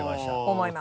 思います。